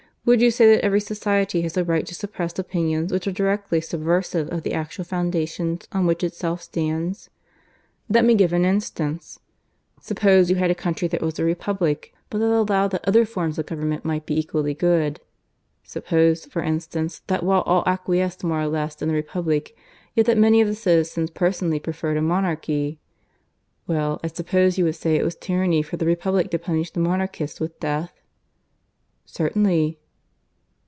"Would you say that every society has a right to suppress opinions which are directly subversive of the actual foundations on which itself stands? Let me give an instance. Suppose you had a country that was a republic, but that allowed that other forms of government might be equally good. (Suppose, for instance, that while all acquiesced more or less in the republic, yet that many of the citizens personally preferred a monarchy.) Well, I suppose you would say it was tyranny for the republic to punish the monarchists with death?" "Certainly."